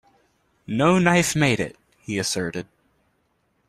"No knife made it," he asserted.